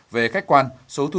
về khách quan số thu thuế